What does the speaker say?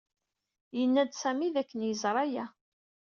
Yenna-d Sami dakken yeẓra aya.